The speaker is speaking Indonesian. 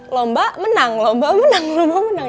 lomba menang lomba menang lomba menang